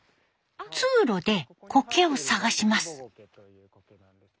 通路でコケを探します。